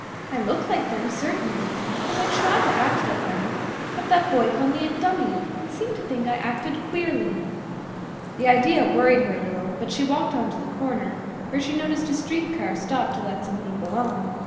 I look like them, certainly; and I try to act like them; yet that boy called me a dummy and seemed to think I acted queerly." This idea worried her a little, but she walked on to the corner, where she noticed a street car stop to let some people on.